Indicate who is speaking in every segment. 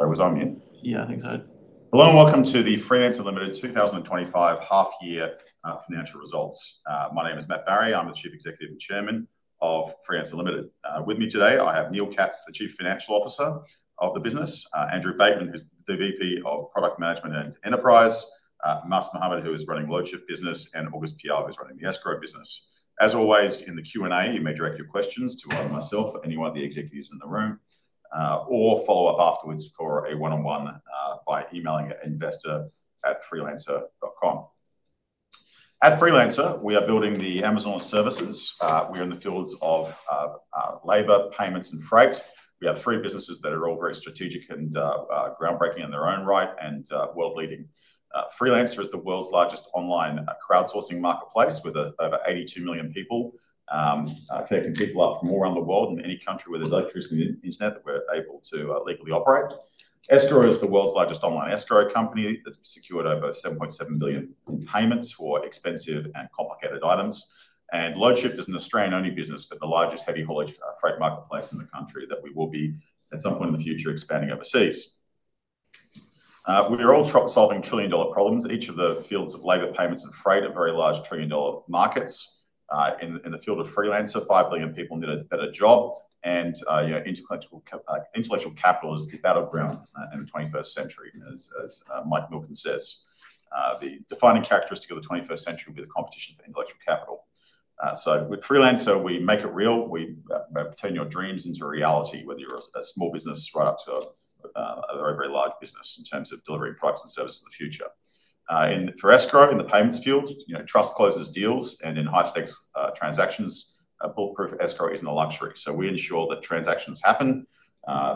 Speaker 1: I think so. Hello and welcome to the Freelancer Limited 2025 half year financial results. My name is Matt Barrie. I'm the Chief Executive and Chairman of Freelancer Limited. With me today I have Neil Katz, the Chief Financial Officer of the business, Andrew Bateman, who's the Vice President of Product Management and Enterprise, Mas Mohammad, who is running Loadshift business, and August Piao, who's running the Escrow business. As always in the Q&A, you may direct your questions to myself, any one of the executives in the room, or follow up afterwards for a one on one by emailing investor@freelancer.com. At Freelancer we are building the Amazon of services. We are in the fields of labor, payments, and freight. We have three businesses that are all very strategic and groundbreaking in their own right and world leading. Freelancer is the world's largest online crowdsourcing marketplace with over 82 million people, connecting people up from all around the world in any country where there's electricity and Internet that we're able to legally operate. Escrow is the world's largest online Escrow company that secured over $7.7 billion in payments for expensive and complicated items. Loadshift is an Australia-only business but the largest heavy haulage freight marketplace in the country. We will be at some point in the future expanding overseas with the goal of solving trillion dollar problems. Each of the fields of labor, payments, and freight are very large trillion dollar markets. In the field of Freelancer, 5 billion people need a better job, and intellectual capital is the battleground in the 21st century. As Mike Milton says, the defining characteristic of the 21st century will be the competition for intellectual capital. With Freelancer we make it real. We turn your dreams into reality whether you're a small business right up to a very, very large business in terms of delivering products and service. In the future for Escrow in the payments field, trust closes deals, and in high stakes transactions, bulletproof Escrow isn't a luxury. We ensure that transactions happen,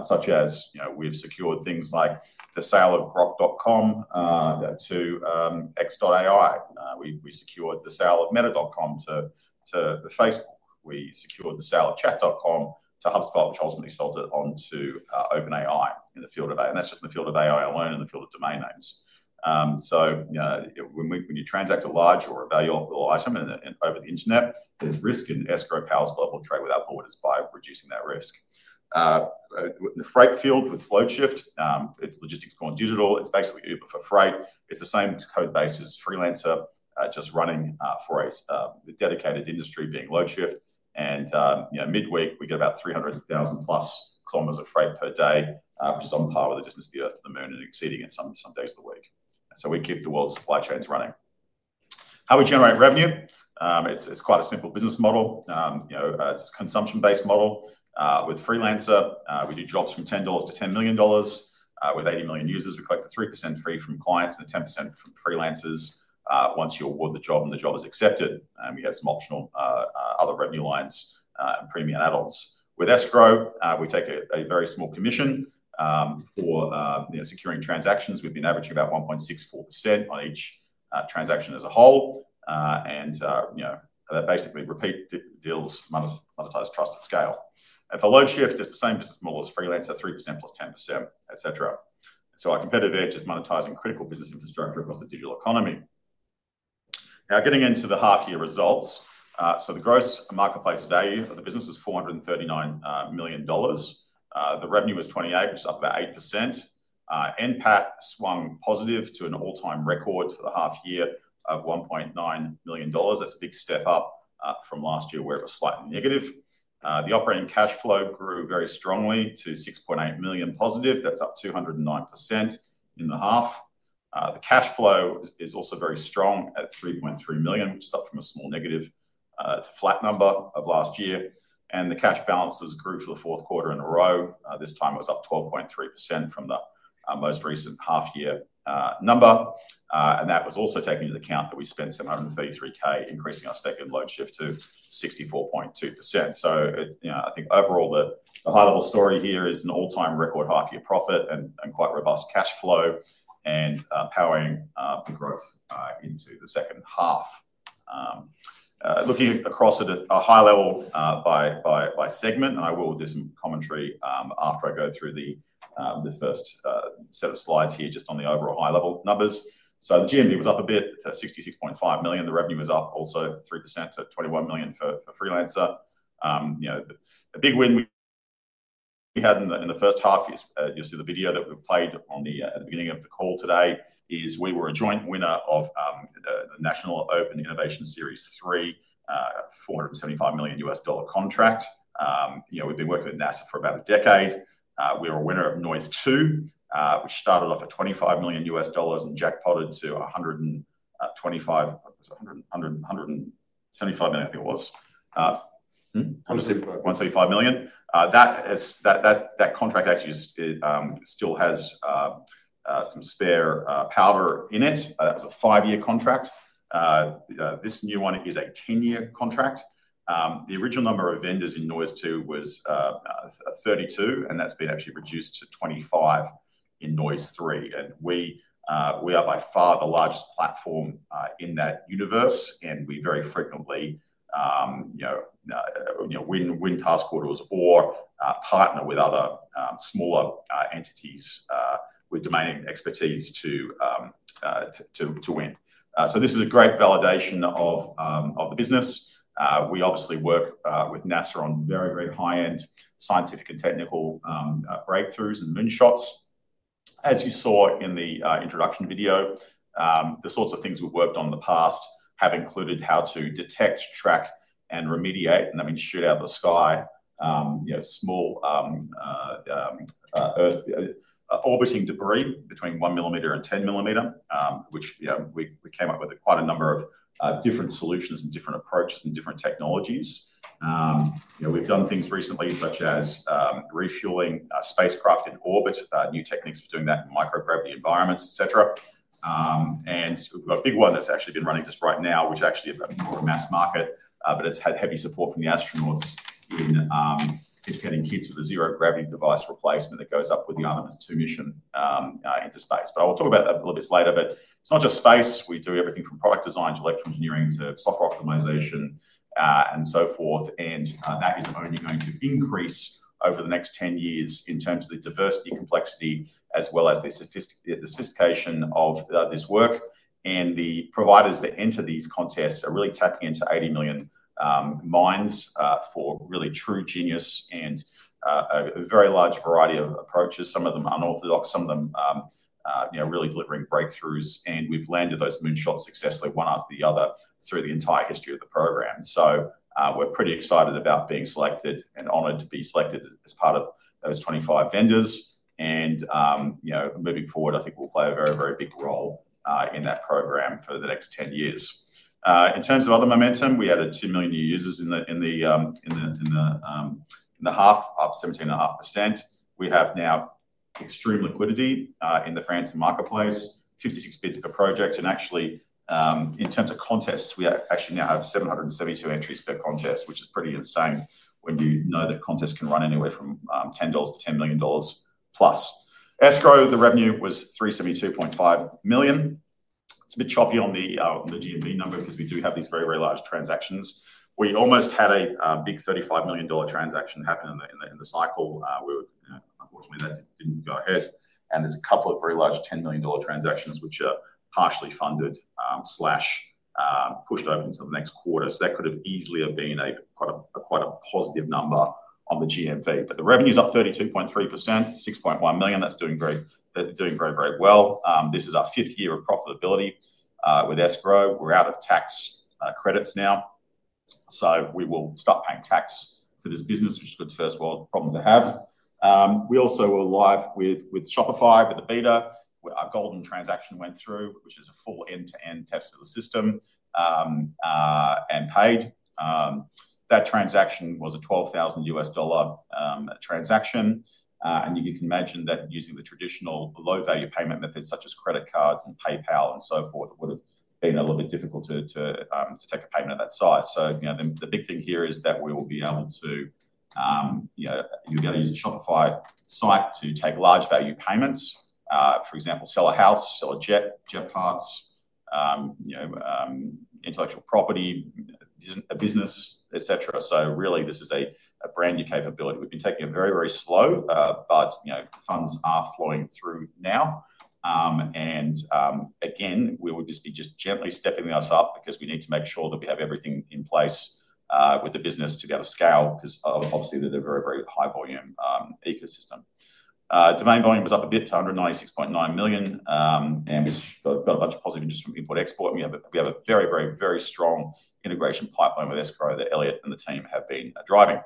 Speaker 1: such as we've secured things like the sale of Grok.com to xAI, we secured the sale of meta.com to Facebook, we secured the sale of chat.com to HubSpot, which ultimately sold it onto OpenAI, the field of AI. That's just in the field of AI alone, in the field of domain names. When you transact a large or valuable item over the Internet, there's risk. Escrow powers global trade without borders by reducing that risk. The freight field with Loadshift, it's logistics born digital. It's basically Uber for freight. It's the same code base as Freelancer, just running for a dedicated industry being Loadshift, and you know midweek we get about 300,000+ km of freight per day, which is on par with the distance of the Earth to the Moon and exceeding it some days of the week. We keep the world supply chains running. How we generate revenue, it's quite a simple business model. It's a consumption-based model. With Freelancer, we do drops from $10-$10 million with 80 million users. We collect the 3% fee from clients and 10% from freelancers once you award the job and the job is accepted, and we get some optional other revenue lines and premium add-ons. With Escrow, we take a very small commission for securing transactions. We've been averaging about 1.64% on each transaction as a whole, and basically repeat different deals. Monetized trust at scale. At Loadshift, it's the same model as Freelancer, 3% + 10%, etc. Our competitive edge is monetizing critical business infrastructure across the digital economy. Now, getting into the half year results. The gross marketplace value of the business is $439 million. The revenue was $28 million, which is up about 8%. NPAT swung positive to an all-time record for the half year of $1.9 million. That's a big step up from last year where it was slightly negative. The operating cash flow grew very strongly to $6.8 million positive. That's up 209% in the half. The cash flow is also very strong at $3.3 million, up from a small negative to flat number of last year. The cash balances grew for the fourth quarter in a row. This time it was up 12.3% from the most recent half year number, and that was also taking into account that we spent $733,000 increasing our second Loadshift to 64.2%. I think overall the high-level story here is an all-time record half year profit and quite robust cash flow, powering the growth into the second half. Looking across at a high level by segment, and I will do some commentary after I go through the first set of slides here just on the overall high-level numbers. The GMV was up a bit, $66.5 million. The revenue was up also 3% at $21 million for Freelancer. You know a big win we had in the first half. You'll see the video that we've played at the beginning of the call today is we were a joint winner of National Open Innovation Services 3. $475 million U.S. dollar contract. You know, we've been working with NASA for about a decade. We were a winner of NOIS2, which started off at $25 million and jackpotted to $125 million, $175 million I think it was. $175 million. That contract actually still has some spare powder in it. That was a five-year contract. This new one is a ten-year contract. The original number of vendors in NOIS2 was 32 and that's been actually reduced to 25 in NOIS3. We are by far the largest platform in that universe and we very frequently win task orders or partner with other smaller entities with domain expertise to win. This is a great validation of the business. We obviously work with NASA on very high-end scientific and technical breakthroughs and moonshots. As you saw in the introduction video, the sorts of things we've worked on in the past have included how to detect, track and remediate, and I mean shoot out of the sky, you know, small orbiting debris between 1 millimeter and 10 millimeter, which, you know, we came up with quite a number of different solutions and different approaches and different technologies. You know, we've done things recently such as refueling spacecraft in orbit, new techniques for doing that in microgravity environments, etc. We've got a big one that's actually been running just right now, which actually is a mass market, but it's had heavy support from the astronauts in educating kids with a zero gravity device replacement that goes up with the Island 2 mission into space. I'll talk about this later. It's not just space. We do everything from product design to electrical engineering to software optimization and so forth. That is only going to increase over the next 10 years in terms of the diversity, complexity as well as the sophistication of this work. The providers that enter these contests are really tapping into 80 million minds for really true genius and a very large variety of approaches. Some of them unorthodox, some of them really delivering breakthroughs. We've landed those moonshots successfully one after the other through the entire history of the program. We're pretty excited about being selected and honored to be selected as part of those 25 vendors. You know, moving forward I think we'll play a very, very big role in that program for the next 10 years. In terms of other momentum, we added 2 million new users in the half, up 17.5%. We have now extreme liquidity in the Freelancer Marketplace, 56 bids per project. In terms of contests, we actually now have 772 entries per contest, which is pretty insane when you know that contests can run anywhere from $10-$10 million+ Escrow. The revenue was $372.5 million. Bit choppy on the GMV number because we do have these very, very large transactions. We almost had a big $35 million transaction happen in the cycle; unfortunately, that didn't go through, and there's a couple of very large $10 million transactions which are partially funded or pushed open until the next quarter. That could have easily been quite a positive number on the GMV. The revenue is up 32.3%, $6.1 million. That's doing very, very well. This is our fifth year of profitability with Escrow. We're out of tax credits now, so we will start paying tax for this business, which is a good first world problem to have. We also were live with Shopify with the beta. Our golden transaction went through, which is a full end-to-end test of the system and paid. That transaction was a $12,000 U.S. dollar transaction. You can imagine that using the traditional low value payment methods such as credit cards and PayPal and so forth, it would have been a little bit difficult to take a payment of that size. The big thing here is that you'll be able to use a Shopify site to take large value payments, for example, sell a house, sell a jet, jet parts, intellectual property, a business, etc. This is a brand new capability. We've been taking it very, very slow, but funds are flowing through now and again. We would just be gently stepping us up because we need to make sure that we have everything in place with the business to be able to scale because obviously they're very, very high volume. Ecosystem domain volume is up a bit to $196.9 million, and it's got a bunch of positive interest from import export. We have a very, very, very strong integration pipeline with Escrow that Elliot and the team have been driving.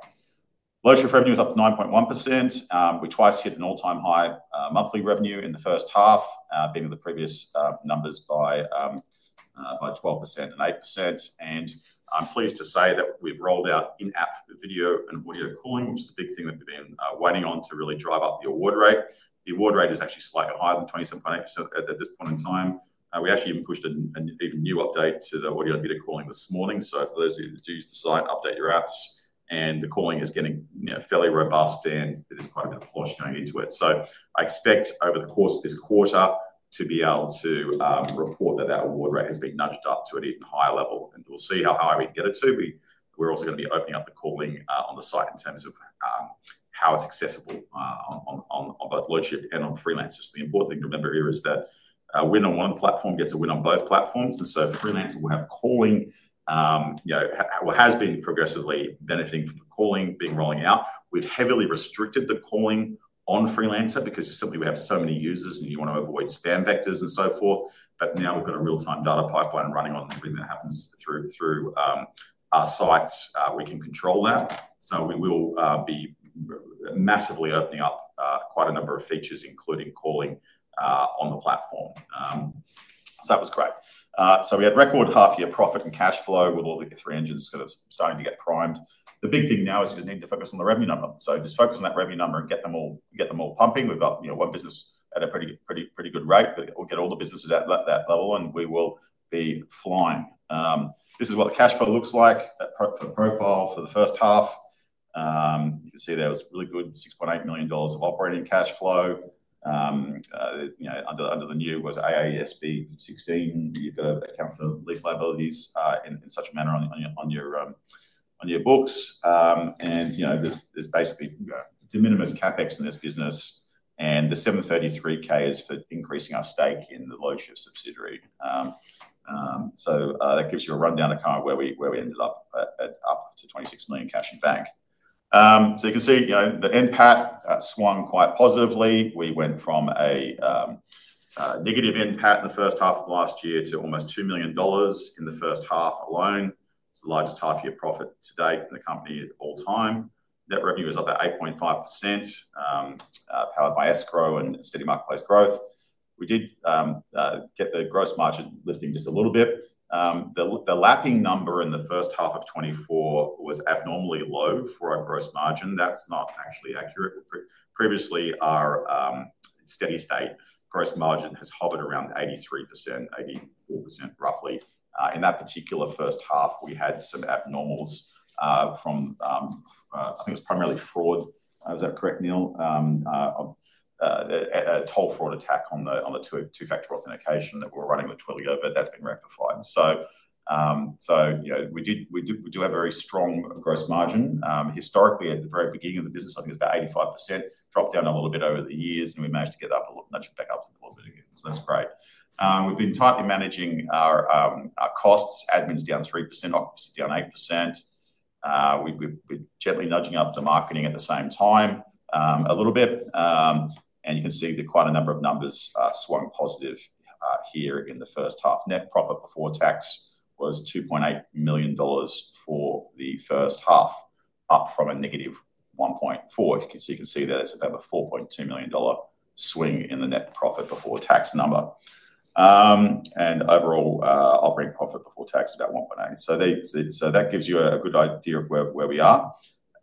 Speaker 1: Loadshift revenue is up to 9.1%. We twice hit an all-time high monthly revenue in the first half, beating the previous numbers by 12% and 8%. I'm pleased to say that we've rolled out in-app video and audio calling, which is the big thing that we've been waiting on to really drive up the award rate. The award rate is actually slightly higher than 27.8% at this point in time. We actually pushed an even new update to the audio/video calling this morning. For those of you that use the site, update your apps and the calling is getting fairly robust and there's quite a bit of push going into it. I expect over the course of this quarter to be able to report that the award rate has been nudged up to a higher level and we'll see how high we get it to be. We're also going to be opening up the calling on the site in terms of how it's accessible on both Loadshift and on Freelancer. The important thing to remember here is that a win on one platform gets a win on both platforms. Freelancer has been progressively benefiting from calling being rolled out. We've heavily restricted the calling on Freelancer because we have so many users and you want to avoid spam vectors and so forth. Now we've got a real-time data pipeline running on everything that happens through the sites. We can control that, so we will be massively opening up quite a number of features including calling on the platform. That was great. We had record half-year profit and cash flow with all the Ethereum engines sort of starting to get primed. The big thing now is just needing to focus on the revenue number. Just focus on that revenue number and get them all pumping. We've got one business at a pretty good rate. We'll get all the businesses at that level and we will be flying. This is what the cash flow looks like profile for the first half. You can see that was really good. $6.8 million of operating cash flow under the new AASB 16. You've got to account for lease liabilities in such a manner on your books and there's basically de minimis CapEx in this business. The $733,000 is for increasing our stake in the Loadshift subsidiary. That gives you a rundown of where we ended up: $26 million cash in bank. You can see the NPAT swung quite positively. We went from a negative NPAT in the first half of last year to almost $2 million in the first half alone. It's the largest half-year profit to date in the company at all time. Net revenue is up at 8.5% powered by Escrow and steady marketplace growth. We did get the gross margin lifting just a little bit. The lapping number in the first half of 2024 was abnormally low for our gross margin. That's not actually accurate. Previously our steady state gross margin has hovered around 83%, 84%, 4% roughly. In that particular first half we had some abnormals from, I think it's primarily fraud. Is that correct, Neil? A toll fraud attack on the two factor authentication that we're running with Twilio. That has been rectified. We do have a very strong gross margin historically. At the very beginning of the business I think it was about 85%, dropped down a little bit over the years and we managed to get a little back up. That's great. We've been tightly managing our costs. Admin is down 3%, occupancy down 8%. We're gently nudging up the marketing at the same time a little bit. You can see that quite a number of numbers swung positive here in the first half. Net profit before tax was $2.8 million for the first half, up from a negative $1.4 million. You can see that it's about a $4.2 million swing in the net profit before tax number and overall operating profit before tax about $1.8 million. That gives you a good idea of where we are.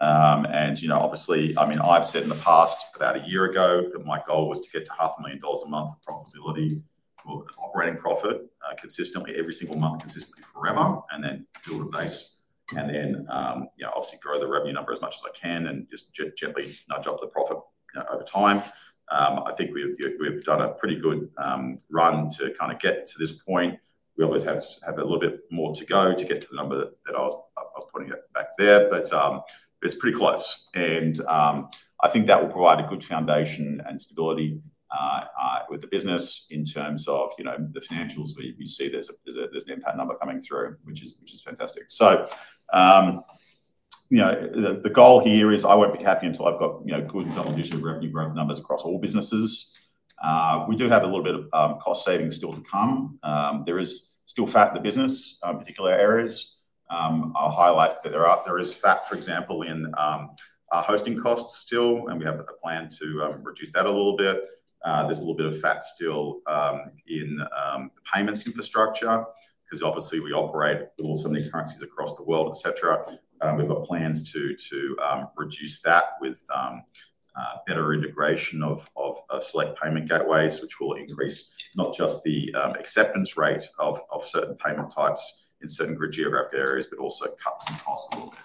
Speaker 1: Obviously, I mean, I've said in the past, about a year ago that my goal was to get to half a million dollars a month profitability or operating profit consistently every single month, consistently forever and then build a base and then grow the revenue number as much as I can and just gently nudge up the profit over time. I think we've done a pretty good run to kind of get to this point. We always have a little bit more to go to get to the number that I was putting it back there, but it's pretty close and I think that will provide a good foundation and stability with the business in terms of the financials. We see there's an impact number coming through which is fantastic. The goal here is I won't be happy until I've got double digit revenue growth numbers across all businesses. We do have a little bit of cost savings still to come. There is still fat in the business in particular areas. I'll highlight that there is fat, for example, in hosting costs still and we have a plan to reduce that a little bit. There's a little bit of fat still in payments infrastructure because obviously we operate with so many currencies across the world, etc. We've got plans to reduce that with better integration of select payment gateways, which will increase not just the acceptance rate of certain payment types in certain geographic areas, but also cuts in costs a little bit.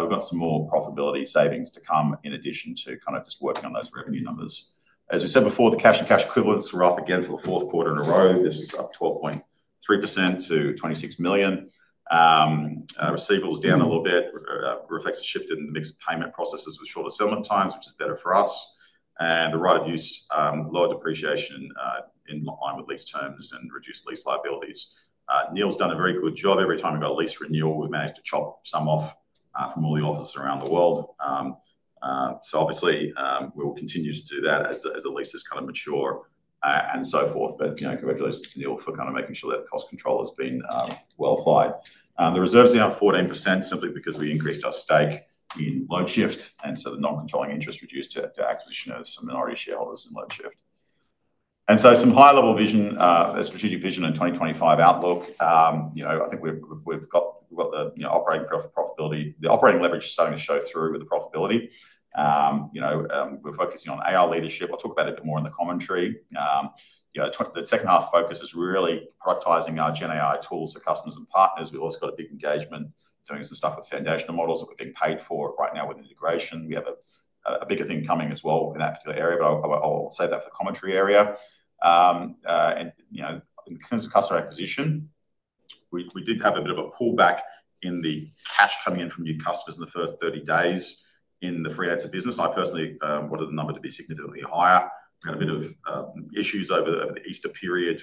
Speaker 1: We've got some more profitability savings to come in addition to just working on those revenue numbers. As we said before, the cash and cash equivalents were up again for the fourth quarter in a row. This is up 12.3% to $26 million. Receivables down a little bit reflects a shift in the mix of payment processes with shorter settlement times, which is better for us, and the right of use, lower depreciation in line with lease terms and reduced lease liabilities. Neil's done a very good job. Every time we've got a lease renewal, we've managed to chop some off from all the offices around the world. Obviously, we will continue to do that as the leases kind of mature and so forth. Congratulations Neil for kind of making sure that cost control has been well applied. The reserves are now 14% simply because we increased our stake in Loadshift, and so the non-controlling interest reduced due to acquisition of some minority shareholders in Loadshift. Some high level vision, strategic vision, and 2025 outlook. I think we've got, we got the, you know, operating profitability. The operating leverage is starting to show through with the profitability. We're focusing on AI leadership. We'll talk about a bit more in the commentary. The second half focus is really productizing our gen tools for customers and partners. We've also got a big engagement doing some stuff with foundational models that we're being paid for right now with integration. We have a bigger thing coming as well in that particular area. I'll save that for the commentary area. In terms of customer acquisition, we did have a bit of a pullback in the cash coming in from new customers in the first 30 days. In the Freelancer business, I personally wanted the number to be significantly higher. Had a bit of issues over the Easter period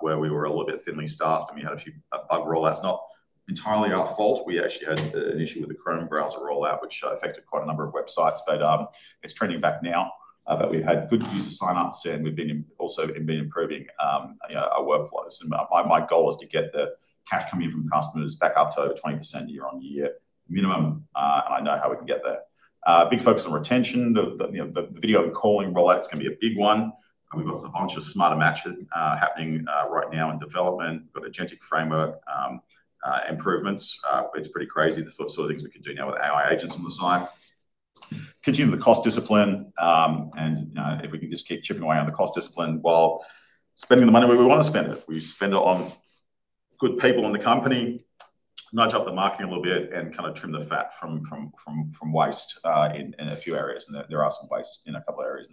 Speaker 1: where we were a little bit thinly staffed and we had a few bug rollouts. Not entirely our fault. We actually had an issue with the Chrome browser rollout, which affected quite a number of websites. Bay data, it's trending back now but we had good user sign ups and we've also been improving our workflows and my goal is to get the cash coming from customers back up to over 20% year-on-year minimum. I know how we can get there. Big focus on retention, the video calling rollout. It's going to be a big one. We've got a bunch of smarter matches happening right now in development, agentic framework improvements. It's pretty crazy the sort of things we could do now with AI agents on the side. Continue the cost discipline and if we can just keep chipping away on the cost discipline while spending the money where we want to spend it, if we spend it on good people in the company, nudge up the marketing a little bit and kind of trim the fat from waste in a few areas. There are some waste in a couple of areas.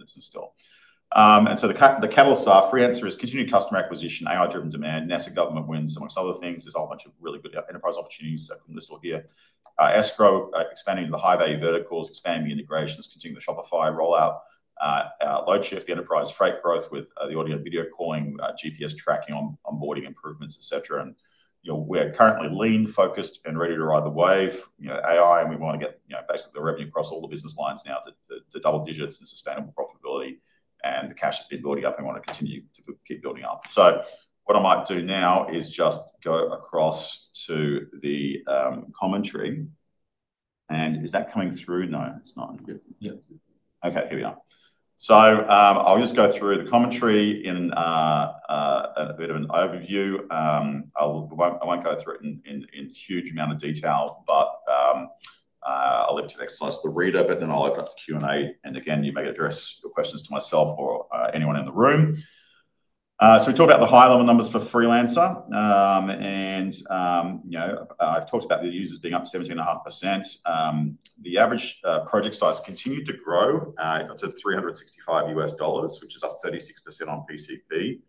Speaker 1: The catalysts for Freelancer are continued customer acquisition, AI-driven demand, NASA government wins amongst other things. There's a whole bunch of really good enterprise opportunities here. Escrow, expanding the high value verticals, expanding the integrations, continuing the Shopify rollout, Loadshift, enterprise freight growth with the audio/video calling, GPS tracking, onboarding improvements, et cetera. We're currently lean, focused, and ready to ride the wave of AI and we want to get basically the revenue across all the business lines now to double digits and sustainable profitability. The cash has been building up and want to continue to keep building up. What I might do now is just go across to the commentary and is that coming through? No, it's not. Okay, here we are. I'll just go through the commentary in a bit of an overview. I won't go through it in huge amount of detail but I'll leave to exercise the reader but then I'll open up the Q&A and again you may address questions to myself or anyone in the room. We talked about the high level numbers for Freelancer and you know I've talked about the users being up 17.5%. The average project size continued to grow. It got to $365 which is up 36% on PCP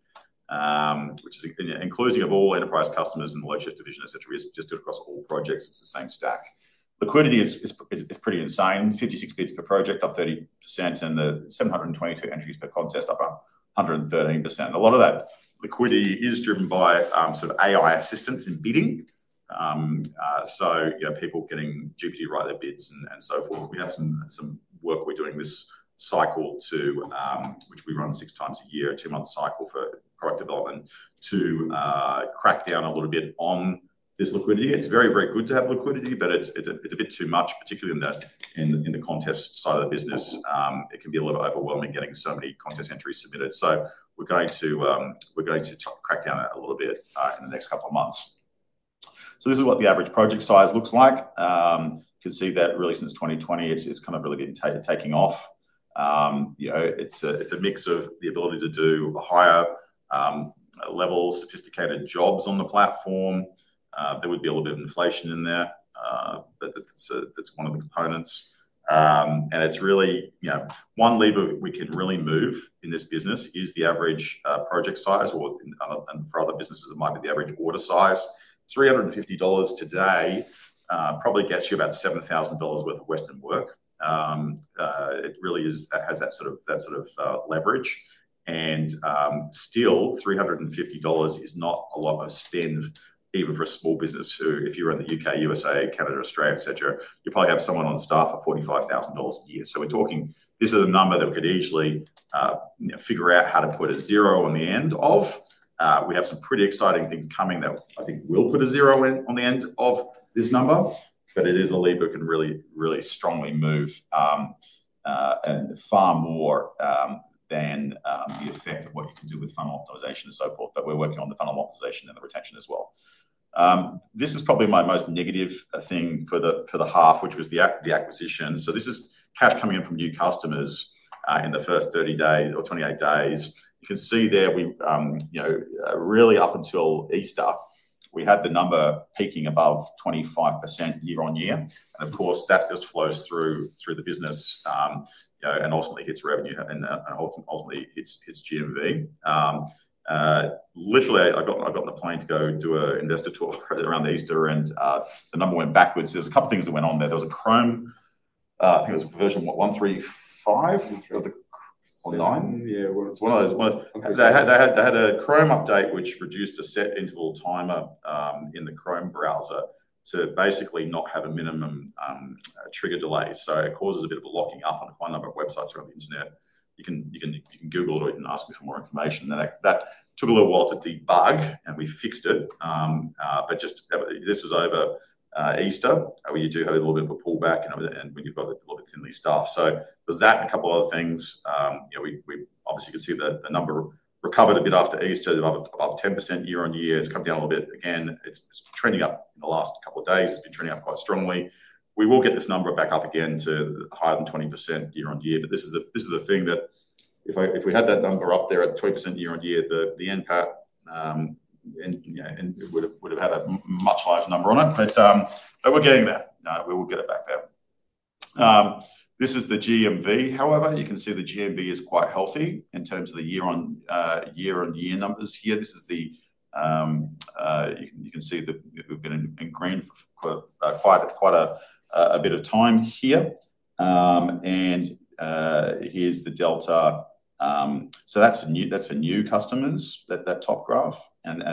Speaker 1: which is including all enterprise customers in the Loadshift division, et cetera, just did across all projects it's the same stack. Liquidity is pretty insane. 56 bids per project up 30. The 722 entries per contest up 113%. A lot of that liquidity is driven by sort of AI assistance in bidding. People getting GPT write their bids and so forth. We have some work we're doing this cycle, which we run six times a year, two-month cycle for product development, to crack down a little bit on this liquidity. It's very, very good to have liquidity, but it's a bit too much, particularly in the contest side of the business. It can be a little overwhelming getting so many contest entries submitted. We're going to crack down a little bit in the next couple of months. This is what the average project size looks like. You can see that really since 2020, it's kind of really getting, taking off. It's a mix of the ability to do higher level sophisticated jobs on the platform. There would be a little bit of inflation in there, but that's one of the components, and it's really one lever we can really move in this business is the average project size. For other businesses it might be the average order size. $350 today probably gets you about $7,000 worth of Western work. It really is, that has that sort of leverage. Still, $350 is not a lot even for a small business who, if you run the U.K., U.S.A, Canada, Australia, etc., you probably have someone on staff of $45,000 a year. We're talking, this is a number that could easily figure out how to put a zero on the end of. We have some pretty exciting things coming that I think will put a zero on the end of this number. It is a leap that can really, really strongly move and far more than the effect of what you can do with funnel optimization and so forth. We're working on the funnel optimization and the retention as well. This is probably my most negative thing for the half, which was the acquisition. This is cash coming in from new customers in the first 30 days or 28 days. You can see there, really up until Easter we had the number peaking above 25% year-on-year. Of course, that just flows through the business and ultimately hits revenue and ultimately it's GMV. Literally, I got in the plane to go do an investor tour around Easter and the number went backwards. There's a couple things that went on there. There was a Chrome, I think it was version, what, 135? Yeah, it's one of those. They had a Chrome update which reduced a set interval timer in the Chrome browser to basically not have a minimum trigger delay. It causes a bit of a locking up on a number of websites around the Internet. You can Google it or you can ask me for more information. That took a little while to debug and we fixed it. This was over Easter where you do have a little bit of a pullback. When you've got a little bit thinly staffed, there's that. A couple other things. We obviously can see that the number recovered a bit after Easter above 10% year-on-year. It's come down a little bit again. It's trending up; in the last couple of days it's been trending up quite strongly. We will get this number back up again to higher than 20% year-on-year. This is the thing that if we had that number up there at 20% year-on-year, the NPAT would have had a much larger number on it. We're getting that. We will get it back there. This is the GMV. However, you can see the GMV is quite healthy in terms of the year-on-year numbers here. You can see that we've been in green for quite a bit of time here and here's the delta. That's for new customers, that top graph.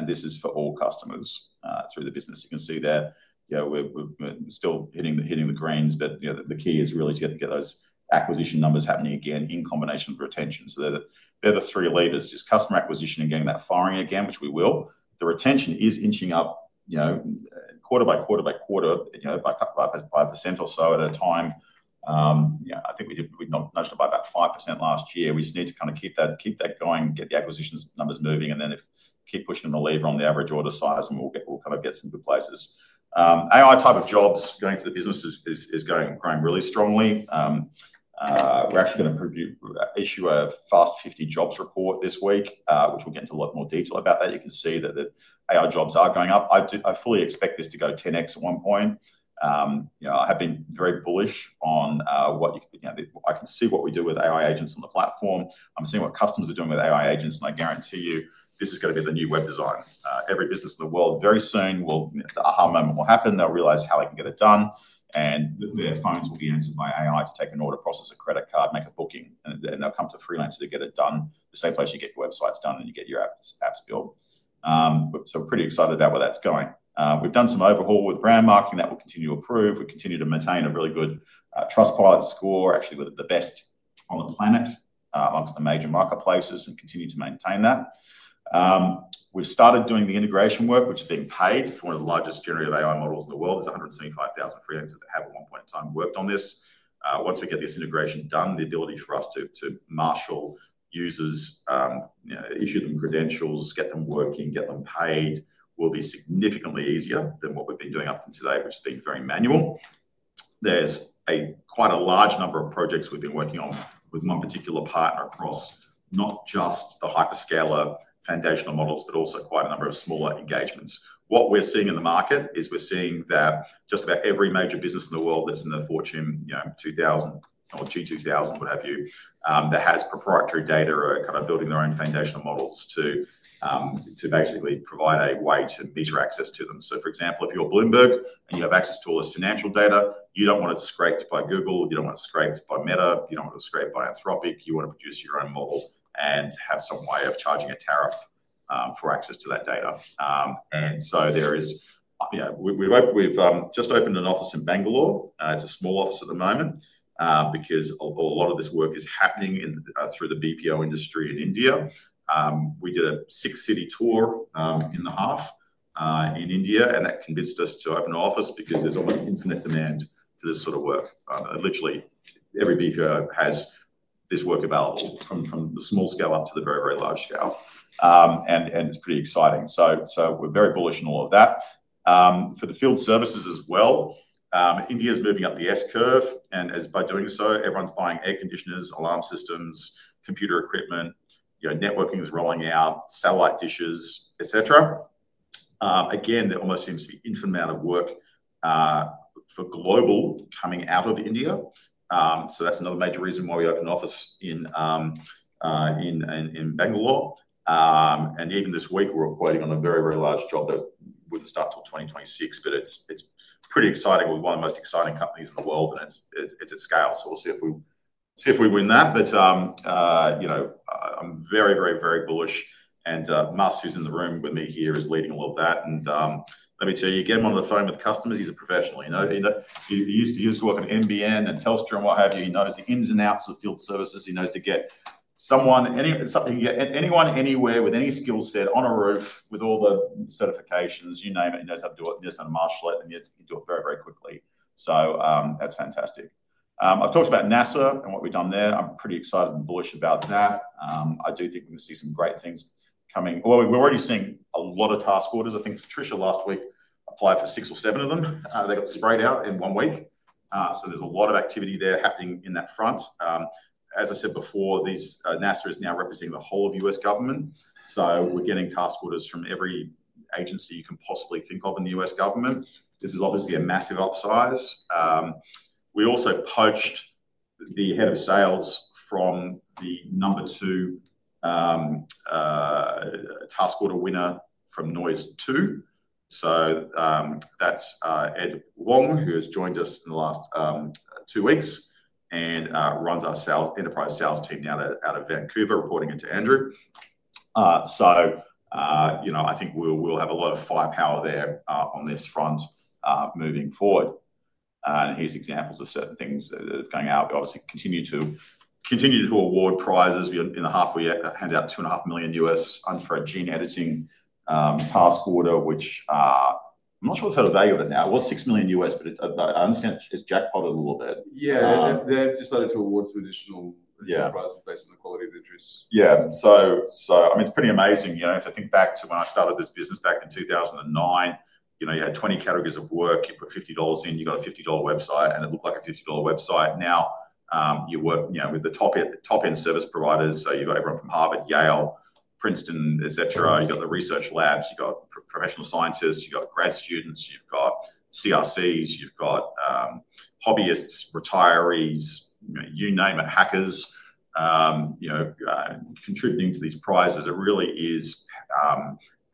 Speaker 1: This is for all customers through the business. You can see that we're still hitting the greens but the key is really to get those acquisition numbers happening again in combination with retention. The three levers are customer acquisition and getting that firing again, which we will. The retention is inching up, quarter-by-quarter by percent or so at a time. I think we did notice it by about 5% last year. We just need to kind of keep that going, get the acquisition numbers moving and then keep pushing the lever on the average order size and we'll get to some good places. AI type of jobs going too. The business is going on growing really strongly. We're actually going to issue a Fast 50 jobs report this week which will get into a lot more detail about that. You can see that the AI jobs are going up. I fully expect this to go 10x at one point. I have been very bullish on what you know, I can see what we do with AI agents on the platform. I'm seeing what customers are doing with AI agents and I guarantee you this is going to be the new web design. Every business in the world very soon will—the aha moment will happen. They'll realize how they can get it done and their phones will be answered by AI to take an order, process a credit card, make a booking and they'll come to Freelancer to get it done, the same place you get websites done and you get your apps built. Pretty excited about where that's going. We've done some overhaul with brand marketing that will continue to improve. We continue to maintain a really good Trustpilot score, actually with the best on the planet onto the major marketplaces, and continue to maintain that. We've started doing the integration work, which is being paid for. The largest generative AI models in the world is 175,000 franchises that have at one point in time worked on this. Once we get this integration done, the ability for us to marshal users, issue them credentials, get them working, get them paid, will be significantly easier than what we've been doing up to today, which is very manual. There's quite a large number of projects we've been working on with one particular partner across not just the hyperscaler foundational models, but also quite a number of smaller engagements. What we're seeing in the market is we're seeing that just about every major business in the world that's in the Fortune 2000 or G2000, what have you, that has proprietary data, are kind of building their own foundational models to basically provide a way to meter access to them. For example, if you're Bloomberg and you have access to all this financial data, you don't want it scraped by Google, you don't want it scraped by Meta, you don't want it scraped by Anthropic, you want to produce your own models and have some way of charging a tariff for access to that data. We've just opened an office in Bangalore. It's a small office at the moment because a lot of this work is happening through the BPO industry in India. We did a six city tour in the half in India and that convinced us to open an office because there's almost infinite demand for this sort of work. Literally every BPO has this worker balance from the small scale up to the very, very large scale, and it's pretty exciting. We're very bullish in all of that for the field services as well. India is moving up the S curve and as by doing so everyone's buying air conditioners, alarm systems, computer equipment, networking is rolling out, satellite dishes, et cetera. There almost seems to be infinite amount of work for global coming out of India. That's another major reason why we opened office in Bangalore. Even this week we're operating on a very, very large job that wouldn't start till 2026. It's pretty exciting with one of the most exciting companies in the world. It's at scale. We'll see if we win that. I'm very, very, very bullish and Mas, who's in the room with me here, is leading all of that. Let me tell you, get him on the phone with customers. He's a professional. He used to work on NBN and Telstra and what have you. He knows the ins and outs of field services. He knows how to get someone, anyone, anywhere with any skill set on a roof with all the certifications. You name it, he knows how to do it, just on a marshall it, and you do it very, very quickly. That's fantastic. I've talked about NASA and what we've done there. I'm pretty excited and bullish about that. I do think you can see some great things coming. We're already seeing a lot of task orders. I think Tricia last week applied for six or seven of them. They got sprayed out in one week. There's a lot of activity happening on that front. As I said before, NASA is now representing the whole of U.S. government. We're getting task orders from every agency you can possibly think of in the U.S. government. This is obviously a massive upsize. We also poached the Head of Sales from the number two task order winner from NOIS2. That's Ed Wong, who has joined us in the last two weeks and runs our enterprise sales team now out of Vancouver, reporting into Andrew. I think we'll have a lot of firepower there on this front moving forward. Here are examples of certain things going out. We obviously continue to award prizes and have handed out $2.5 million U.S. for a gene editing task order, which I'm not sure the value of it now. It was $6 million U.S., but I understand it's jackpoted a little bit. They've decided to award some additional prizes based on the quality of interest. It's pretty amazing. If I think back to when I started this business back in 2009, you had 20 categories of work. You put $50 in, you got a $50 website, and it looked like a $50 website. Now you work with the top, top end service providers. You've got everyone from Harvard, Yale, Princeton, et cetera. You've got the research labs, you've got professional scientists, you've got grad students, you've got CRCs, you've got hobbyists, retirees, you name it, hackers. You know, contributing to these prizes, it really is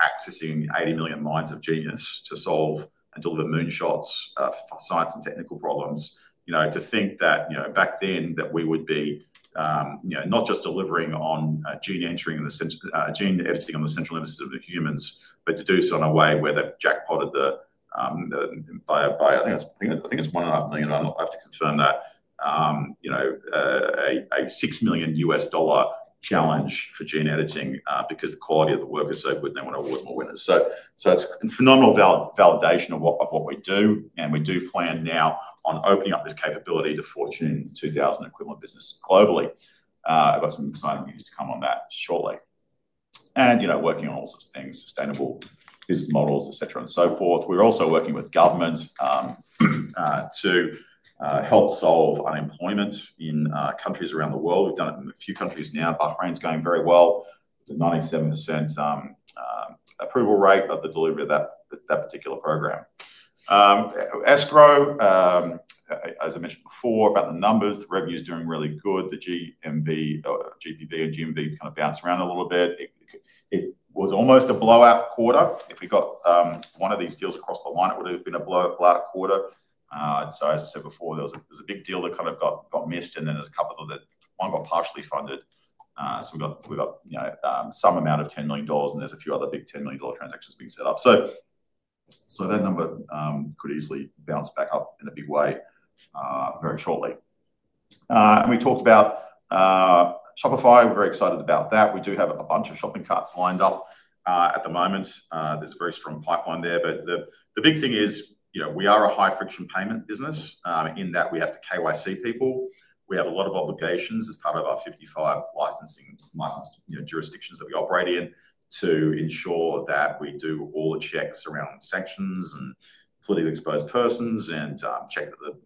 Speaker 1: accessing 80 million minds of genius to solve and deliver moonshots, science, and technical problems. You know, to think that back then we would be, you know, not just delivering on gene entering in the sense gene editing on the central instance of humans, but to do so in a way where they've jackpotted the by, by I think, I think it's $1.5 million. I have to confirm that. You know, a $6 million U.S. dollar challenge for gene editing because the quality of the work is so good they want to award more winners. It's phenomenal validation of what we do. We do plan now on opening up this capability to Fortune 2000 equivalent business globally. There's some exciting news to come on that shortly, and you know, working on all sorts of things, sustainable business models, etc. We're also working with government to help solve unemployment in countries around the world. We've done it in a few countries now. Bahrain is going very well. 97% approval rate of the delivery of that, that particular program, Escrow. As I mentioned before about the numbers, revenue is doing really good. The GMV, GPB, and GMV kind of bounce around a little bit. It was almost a blowout quarter. If we got one of these deals across the line, it would have been a blow up quarter. As I said before, there was a big deal that kind of got missed and then there's a couple of the one got partially funded. We've got some amount of $10 million and there's a few other big $10 million transactions being set up. That number could easily bounce back up in a big way very shortly. We talked about Shopify, we're very excited about that. We do have a bunch of shopping carts lined up at the moment. There's a very strong pipeline there. The big thing is we are a high friction payment business in that we have to KYC people. We have a lot of obligations as part of our 55 licensing jurisdictions that we operate in to ensure that we do all the checks around sanctions and politically exposed persons and check that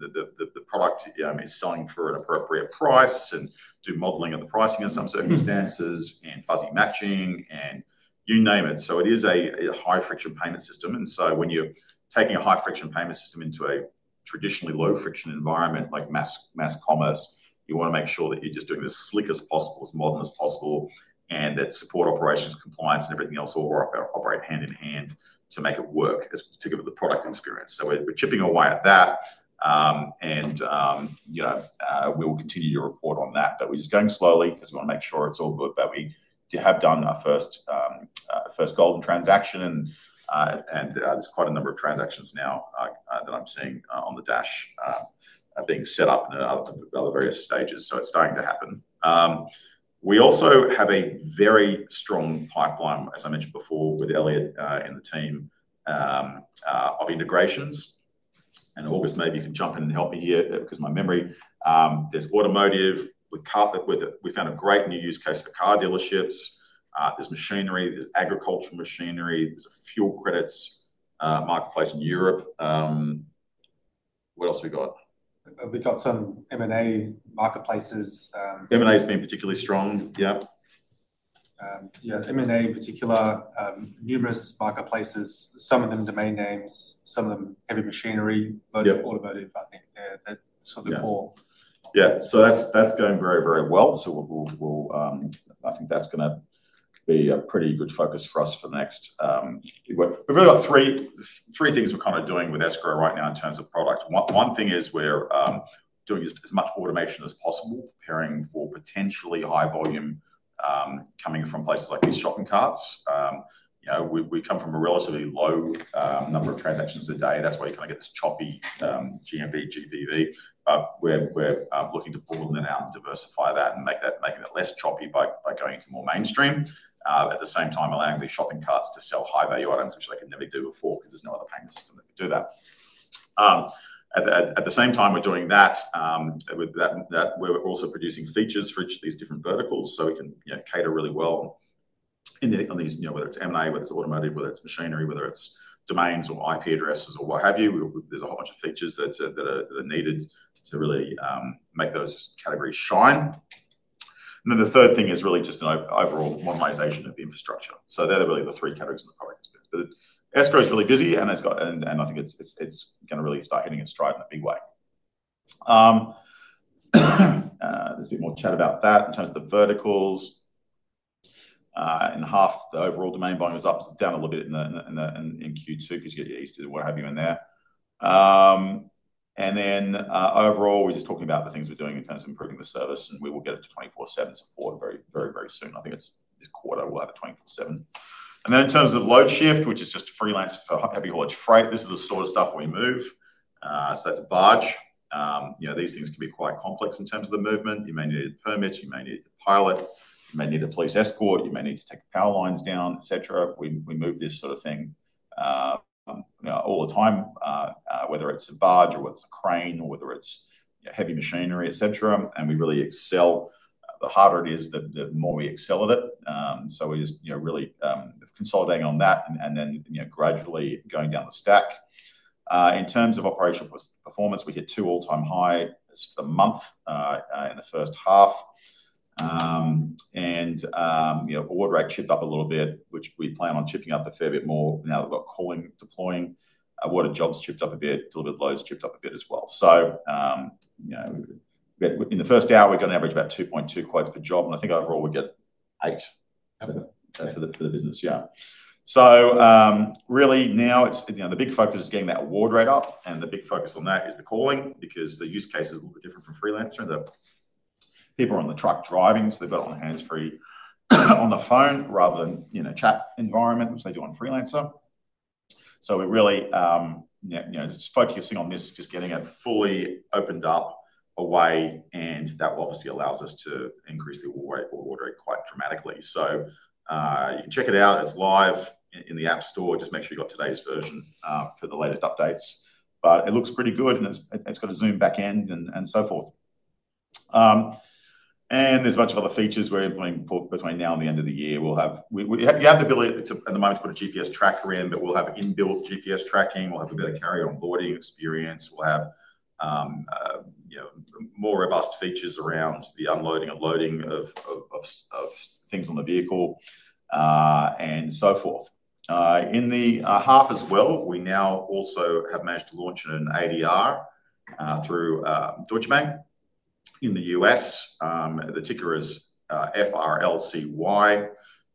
Speaker 1: the product is selling for an appropriate price and do modeling of the pricing in some circumstances and fuzzy matching and you name it. It is a high friction payment system. When you're taking a high friction payment system into a traditionally low friction environment like mass, mass commerce, you want to make sure that you're just doing the slickest possible, as modern as possible, and that support operations, compliance, and everything else will work, operate hand in hand to make it work, to give it the product experience. We're chipping away at that, and we will continue to report on that. We're just going slowly because we want to make sure it's all good, that we have done our first golden transaction, and there's quite a number of transactions now that I'm seeing on the dash being set up at various stages. It's starting to happen. We also have a very strong pipeline as I mentioned before. Elliot and the team of integrations and August, maybe you can jump in and help me here because my memory, there's automotive. We found a great new use case for car dealerships. There's machinery, there's agricultural machinery, there's fuel credits marketplace in Europe. What else we got?
Speaker 2: We've got some M&A marketplaces.
Speaker 1: M&A has been particularly strong.
Speaker 2: Yep, yeah. M&A in particular, numerous marketplaces.
Speaker 1: Some of them domain names, some of.
Speaker 2: Them heavy machinery, automotive. I think that's something more.
Speaker 1: Yeah, so that's going very, very well. I think that's going to be a pretty good focus for us for the next. We've got three things we're kind of doing with Escrow right now in terms of product. One thing is we're doing as much automation as possible, preparing for potentially high volume coming from places like these shopping carts. We come from a relatively low number of transactions a day. That's why you kind of get this choppy GMV, GBV. We're looking to pull them out and diversify that and make that, making it less choppy by going into more mainstream. At the same time, allowing the shopping carts to sell high value items which they could never do before because there's no other payment system to do that. At the same time we're doing that, we're also producing features for each of these different verticals so we can cater really well on these. Whether it's M&A, whether it's automotive, whether it's machinery, whether it's domains or IP addresses or what have you, there's a whole bunch of features that are needed to really make those categories shine. The third thing is really just an overall modernization of the infrastructure. They're really the three categories. Escrow is really busy and it's got. I think it's going to really start hitting its stride in a big way. There's a bit more chat about that in terms of the verticals and half the overall domain volume is up, down a little bit in Q2 because you get your Easter, what have you in there. Overall we're just talking about the things we're doing in terms of improving the service and we will get it to 24/7 support very, very, very soon. I think it's this quarter we'll have it 24/7. In terms of Loadshift, which is just Freelancer for heavy haulage freight, this is the sort of stuff we move. That's a barge. These things can be quite complex in terms of the movement. You may need permits, you may need pilot, may need a police escort, you may need to take power lines down, etc. We move this sort of thing all the time, whether it's a barge or it's crane or whether it's heavy machinery, etc., and we really excel. The harder it is, the more we excel at it. We're just really consolidating on that and gradually going down the stack in terms of operational performance. We get two all-time highs for the month in the first half, and you know, order act chipped up a little bit, which we plan on chipping up a fair bit more now we've got coin deploying. Water jobs tripped up a bit, delivered loads tripped up a bit as well. In the first hour, we got an average of about 2.2 quotes per job, and I think overall we get 8 for the business. Yeah. Really now it's, you know, the big focus is getting that award rate up, and the big focus on that is the calling because the use case is a little bit different for Freelancer. The people are on the truck driving, so they've got on hands-free on the phone rather than in a chat environment, which they do on Freelancer. We really, you know, focusing on this, just getting it fully opened up away, and that obviously allows us to increase the order quite dramatically. You can check it out as live in the App Store. Just make sure you got today's version for the latest updates. It looks pretty good, and it's got a Zoom back end and so forth, and there's a bunch of other features we're going between now and the end of the year. We'll have, you have the ability at the moment to put a GPS tracker in, but we'll have inbuilt GPS tracking. We'll have a better carrier onboarding experience. We'll have more robust features around the unloading, loading of things on the vehicle and so forth in the half as well. We now also have managed to launch an ADR through Deutsche Bank in the U.S. The ticker is FRCY.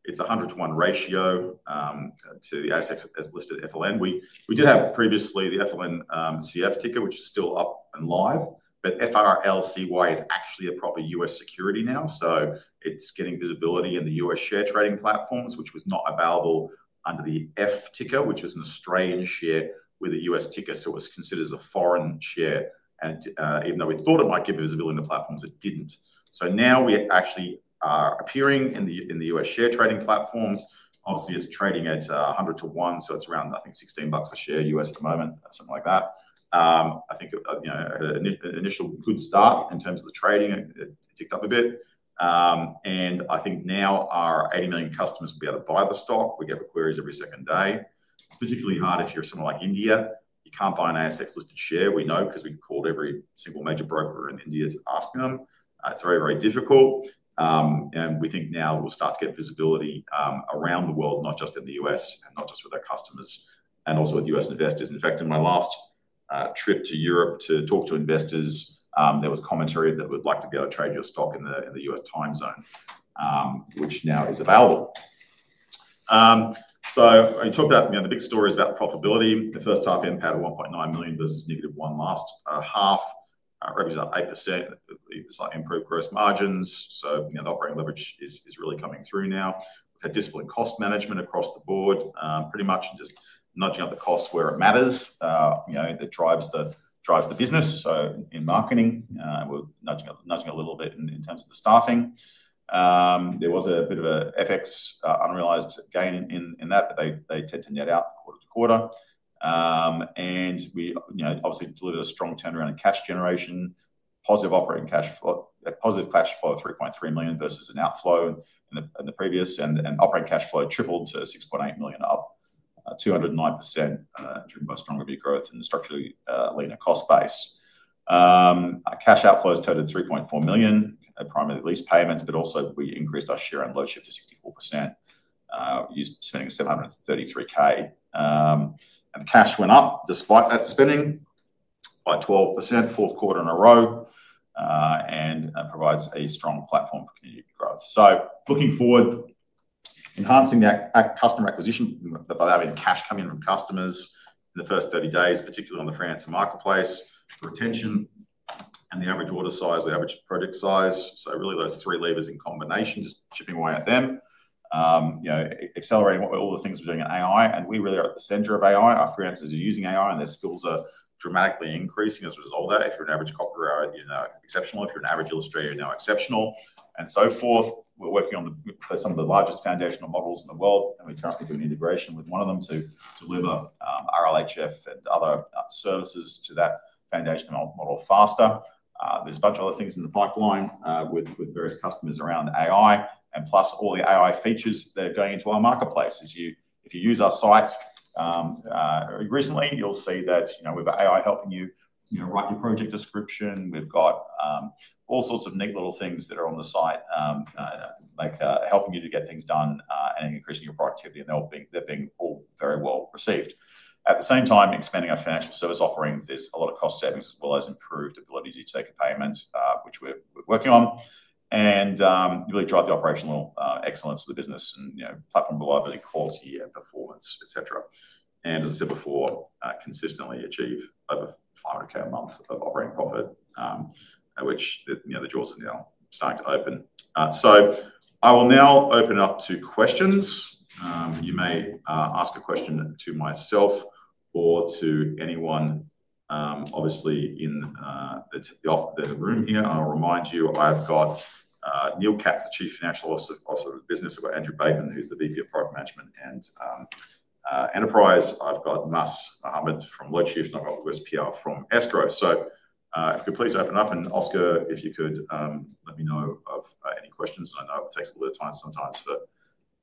Speaker 1: It's 100:1 ratio to the assets as listed FLN. We did have previously the FLN CF ticker, which is still up and live, but FRCY is actually a proper U.S. security now. It's getting visibility in the U.S. share trading platforms, which was not available under the F ticker, which is an Australian share with a U.S. ticker. It was considered as a foreign share, and even though we thought it might get visibility in the platforms, it didn't. Now we actually are appearing in the U.S. share trading platforms. Obviously, it's trading at 100:1, so it's around, I think, $16 a share U.S. at the moment, something like that. I think, you know, initial good start in terms of the trading ticked up a bit, and I think now our 80 million customers will be able to buy the stock. We get queries every second day. Particularly hard if you're someone like India, you can't buy an ASX listed share. We know because we called every single major broker in India to ask them. It's very, very difficult and we think now we'll start to get visibility around the world, not just in the U.S. and not just with our customers and also with U.S. investors. In fact, in my last trip to Europe to talk to investors, there was commentary that would like to be able to trade your stock in the U.S. time zone, which now is available. You talk about, you know, the big story is about profitability. The first half impact of $1.9 million versus negative $1 million last half, revenues are 8% improved gross margins. You know the operating leverage is really coming through now. Disciplined cost management across the board, pretty much just nudging up the costs where it matters. That drives the business. In marketing, we're nudging a little bit in terms of the staffing. There was a bit of an FX unrealized gain in that, but they tend to net out quarter and we obviously delivered a strong turnaround in cash generation. Positive operating cash flow, positive cash flow of $3.3 million versus an outflow in the previous, and operating cash flow tripled to $6.8 million, up 209%, driven by strong RE growth in the structurally leaner cost base. Cash outflows turned $3.4 million primary lease payments. We increased our share on Loadshift to 64%, spending $733,000, and cash went up despite that, spinning by 12% fourth quarter in a row and provides a strong platform for growth. Looking forward, enhancing the customer acquisition by that cash coming from customers in the first 30 days, particularly on the finance marketplace for retention and the average order size, the average project size. Those three levers in combination, just chipping away at them, accelerating all the things we're doing in AI and we really are at the center of AI. Our freelancers are using AI and their skills are dramatically increasing as a result of that. If you're an average copywriter, you know, exceptional. If you're an average illustrator, you're now exceptional and so forth. We're working on some of the largest foundational models in the world and we currently do an integration with one of them to deliver RLHF and other services to that foundational model faster. There's a bunch of other things in the pipeline with various customers around AI, plus all the AI features that are going into our marketplace. If you use our sites recently, you'll see that we've got AI helping you write your project description. We've got all sorts of neat little things that are on the site like helping you to get things done and increasing your productivity. They're being all very well received. At the same time, expanding our financial service offerings. There's a lot of cost savings as well as improved ability to take a payment, which we're working on and really drive the operational excellence of the business, platform reliability, calls, year performance, etc. As I said before, consistently achieve over $500,000 a month of operating profit, which the jaws are now starting to open. I will now open up to questions. You may ask a question to myself or to anyone obviously in the room here. I'll remind you, I've got Neil Katz, the Chief Financial Officer of the business. We've got Andrew Bateman, who's the Vice President of Product Management and Enterprise. I've got Mas Mohammad from Loadshift, from Escrow, so if you could please open up. Oscar, if you could let me know of any questions. I know it takes a little time sometimes for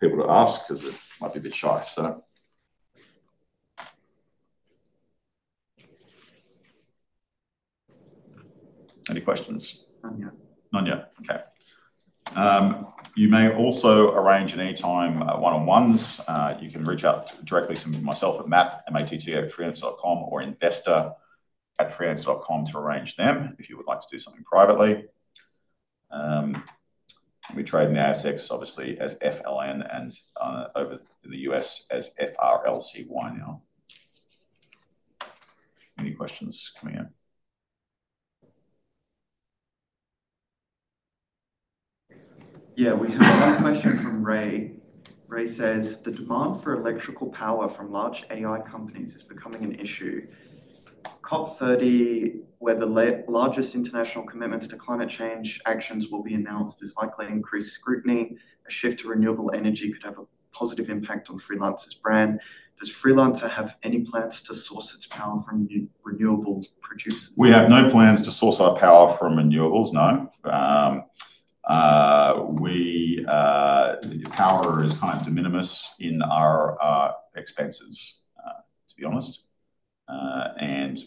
Speaker 1: people to ask because it might be a bit shy. Any questions you may also arrange at any time. One on ones you can reach out directly to myself at matt@freelancer.com or investor@freelancer.com to arrange them if you would like to do something privately. We trade in the assets, obviously as FLN and over in the U.S. as FRCY. Now any questions come in.
Speaker 3: Yeah, we have a long motion from Ray. Ray says the demand for electrical power from large AI companies is becoming an issue. COP30, where the largest international commitments to climate change actions will be announced, is likely increased scrutiny. A shift to renewable energy could have a positive impact on Freelancer's brand. Does Freelancer have any plans to source.
Speaker 1: Is power from renewables produced? We have no plans to source our power from renewables. No. Power is kind of de minimis in our expenses, to be honest.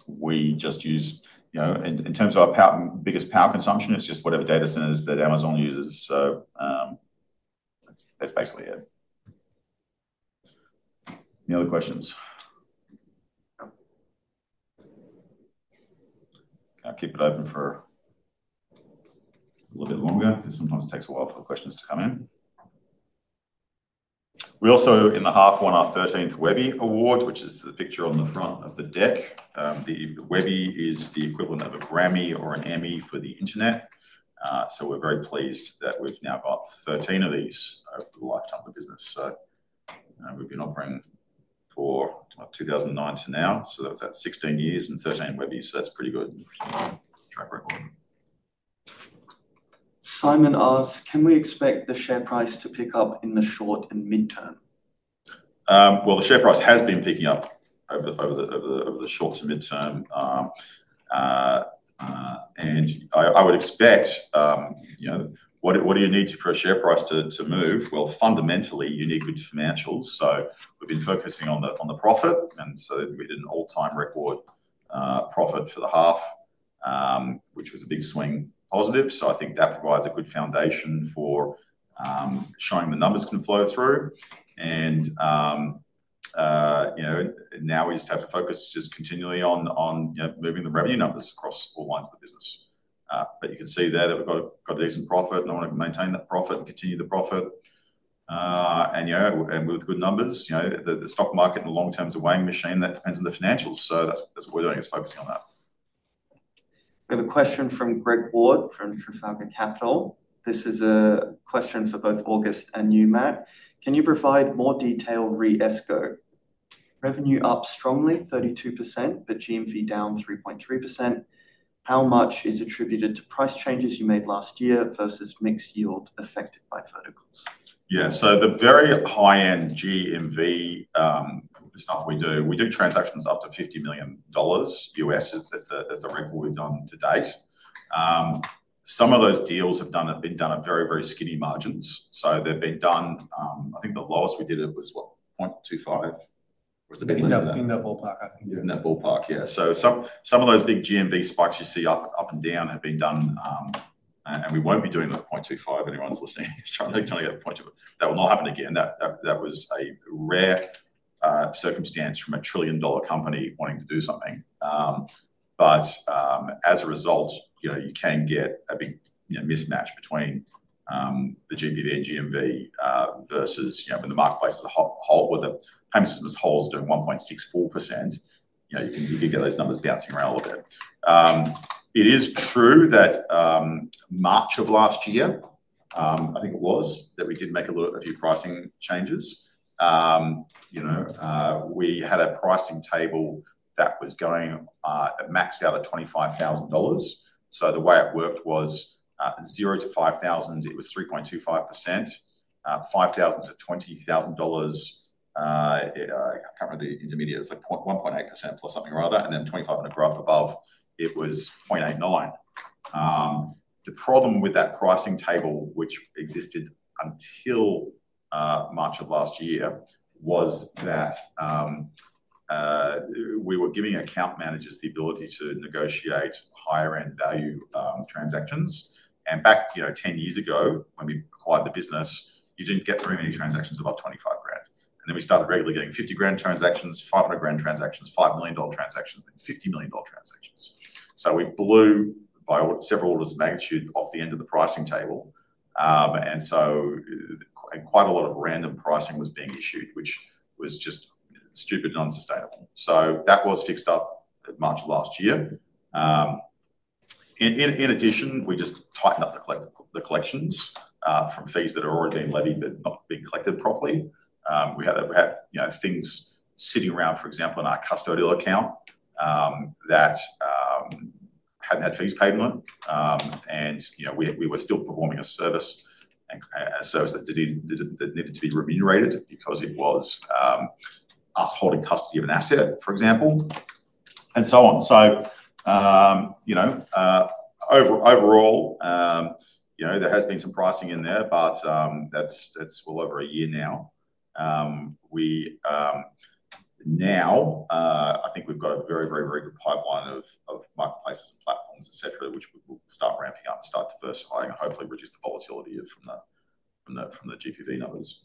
Speaker 1: We just use, you know, in terms of our biggest power consumption, it's just whatever data centers that Amazon uses. That's basically it. Any other questions? I'll keep it open for a little bit longer because sometimes it takes a while for questions to come in. We also, in the half, won our 13th Webby Award, which is the picture on the front of the deck. The Webby is the equivalent of a Grammy or an Emmy for the Internet. We're very pleased that we've now got 13 of these over the lifetime of the business. We've been operating from 2009 to now, so that's 16 years and 13 Webbys. That's a pretty good track record.
Speaker 3: Simon asks, can we expect the share price to pick up in the short and midterm?
Speaker 1: The share price has been picking up over the short to midterm and I would expect, you know, what do you need for a share price to move? Fundamentally you need good financials. We've been focusing on the profit and we did an all-time record profit for the half, which was a big swing positive. I think that provides a good foundation for showing the numbers can flow through and, you know, now we just have to focus continually on moving the revenue numbers across all lines of this business. You can see there that we've got a decent profit and I want to maintain that profit and continue the profit. With good numbers, you know, the stock market in the long term is a weighing machine that depends on the financials. That's what we're doing, focusing on that.
Speaker 3: We have a question from Greg Ward from Trafalgar Capital. This is a question for both August and you, Matt. Can you provide more detail? Re Escrow revenue up strongly 32% but GMV down 3.3%. How much is attributed to price changes you made last year versus mixed yield affected by verticals?
Speaker 1: Yeah, the very high end GMV stuff we do, we do transactions up to $50 million. That's the record we've done to date. Some of those deals have been done at very, very skinny margins. I think the lowest we did it was 0.25%.
Speaker 2: A big list in that ballpark.
Speaker 1: In that ballpark, yeah. Some of those big GMV spikes you see up and down have been done and we won't be doing the 0.25%. Anyone's listening trying to get that, that will not happen again. That was a rare circumstance from a trillion dollar company wanting to do something. As a result, you can get a big mismatch between the GPV and GMV versus, you know, when the marketplace as a whole is doing 1.64%, you can get those numbers bouncing around a little bit. It is true that March of last year, I think it was, that we did make a few pricing changes. We had a pricing table that was going maxed out at $25,000. The way it worked was $0-$5,000, it was 3.25%, $5,000-$20,000, the intermediate is like 1.8%+ something or other, and then $25,000 and above it was 0.89%. The problem with that pricing table, which existed until March of last year, was that we were giving account managers the ability to negotiate higher end value transactions. Back 10 years ago when we acquired the business, you didn't get many transactions above $25,000. Then we started regularly getting $50,000 transactions, $500,000 transactions, $5 million transactions, $50 million transactions. We blew by several orders of magnitude off the end of the pricing table, and quite a lot of random pricing was being issued which was just stupid, non-sustainable. That was fixed up at March last year. In addition, we just tightened up the collections from fees that are already collected properly. We had things sitting around, for example, in our custodial account that hadn't had fees paid in long and we were still performing a service, a service that needed to be remunerated because it was us holding custody of an asset, for example, and so on. Overall, there has been some pricing in there, but that's well over a year now. We now, I think, we've got a very, very, very good pipeline of marketplaces, platforms, etc., which will start ramping up, start diversifying and hopefully reduce the volatility from the GPV numbers.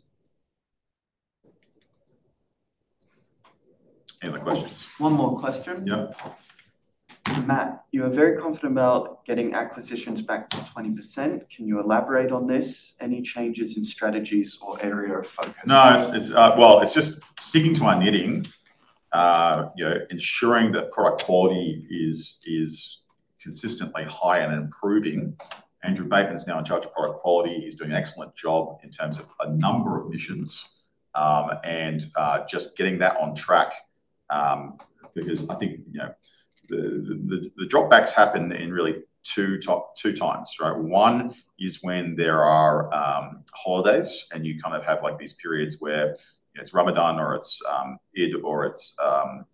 Speaker 1: Any other questions?
Speaker 3: One more question.
Speaker 1: Yep.
Speaker 3: Matt, you are very confident about getting acquisitions back to 20%. Can you elaborate on this? Any changes in strategies or area of focus?
Speaker 1: No, it's just sticking to our knitting, you know, ensuring that product quality is consistently high and improving. Andrew Bateman's now in charge of product quality. He's doing an excellent job in terms of a number of missions and just getting that on track because I think the drop backs happen in really two top two times, right. One is when there are holidays and you kind of have like these periods where it's Ramadan or it's Eid or it's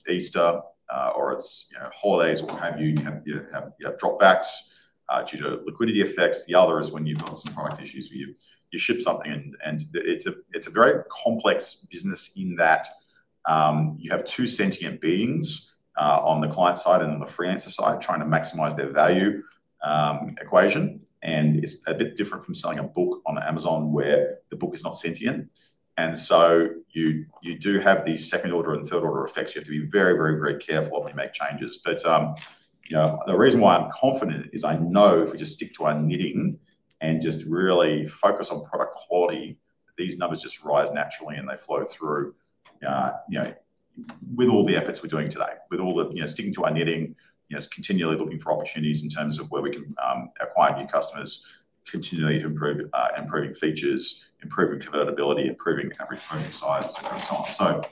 Speaker 1: Easter or it's holidays or you have drop backs due to liquidity effects. The other is when you have some product issues where you ship something and it's a very complex business in that you have two sentient beings on the client side and on the Freelancer side trying to maximize their value equation. It's a bit different from selling a book on Amazon where the book is not sentient. You do have the second order and third order effects. You have to be very, very, very careful when you make changes. The reason why I'm confident is I know if we just stick to our knitting and just really focus on product quality, these numbers just rise naturally and they flow through. With all the efforts we're doing today, with all the sticking to our knitting, continually looking for opportunities in terms of where we can acquire new customers, continually improving features, improving convertibility, improving size and stuff.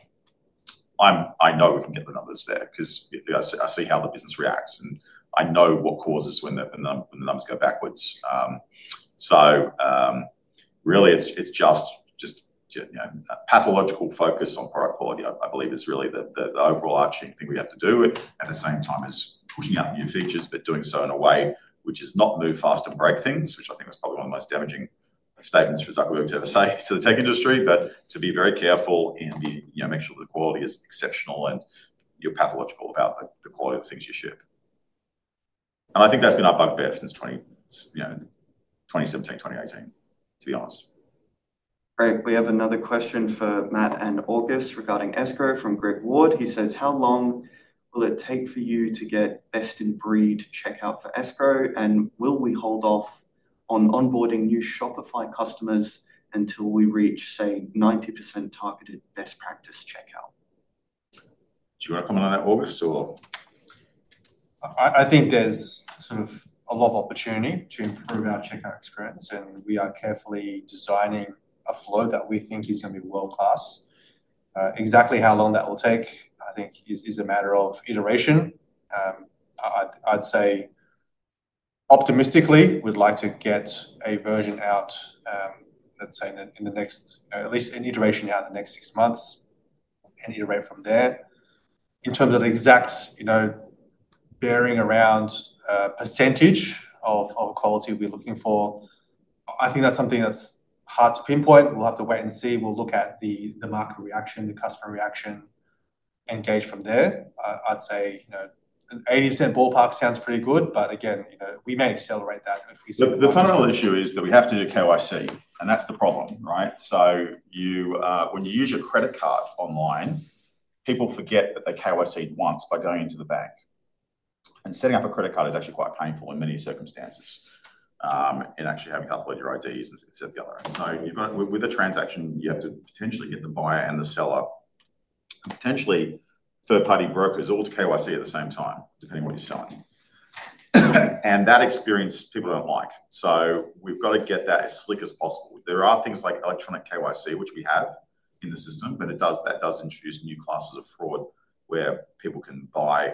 Speaker 1: I know we can get the numbers there because I see how the business reacts and I know what causes when the numbers go backwards. Really it's just a pathological focus on product quality, I believe is really the overall arching thing we have to do at the same time as pushing out new features, but doing so in a way which is not move fast and break things, which I think was probably one of the most damaging statements for Zuckerberg to ever say to the tech industry. Be very careful and make sure the quality is exceptional and you're pathological about the quality of things you ship and I think that's been our bugbear since 2017, 2018 to be honest. Great.
Speaker 3: We have another question for Matt and August regarding Escrow from Greg Ward. He says how long will it take for you to get best in breed checkout for Escrow, and will we hold off on onboarding new Shopify customers until we reach, say, 90% targeted best practice checkout?
Speaker 1: Do you want to comment on that, August, or?
Speaker 2: I think there's sort of a lot of opportunity to improve our checkout experience, and we are carefully designing a flow that we think is going to be world class. Exactly how long that will take, I think is a matter of iteration. I'd say optimistically we'd like to get a version out, let's say in. The next, at least a new duration. Out the next six months and iterate from there. In terms of exact, you know, bearing around percentage of quality we're looking for, I think that's something that's hard to pinpoint. We'll have to wait and see. We'll look at the market reaction, the customer reaction, and gauge from there. I'd say, you know, an 80% ballpark sounds pretty good, but again, you know, we may accelerate that.
Speaker 1: The funnel issue is that we have to do KYC and that's the problem. Right. When you use your credit card online, people forget that they KYC once by going into the bank and setting up a credit card, which is actually quite painful in many circumstances, and actually having calculated your IDs and said the other. With a transaction, you have to potentially get the buyer and the seller, potentially third party brokers, all to KYC at the same time depending what you're selling, and that experience people don't like. We've got to get that as slick as possible. There are things like electronic KYC, which we have in the system, but that does introduce new classes of fraud where people can buy